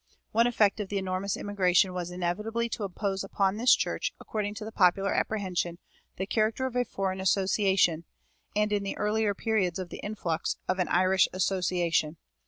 One effect of the enormous immigration was inevitably to impose upon this church, according to the popular apprehension, the character of a foreign association, and, in the earlier periods of the influx, of an Irish association.